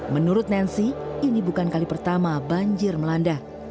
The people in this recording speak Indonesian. menurut nancy ini bukan kali pertama banjir melanda